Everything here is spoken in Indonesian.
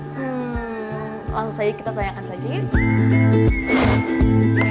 hmm langsung saja kita tanyakan saja